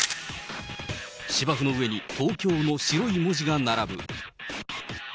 芝生の上にＴＯＫＹＯの白い文字が並ぶ。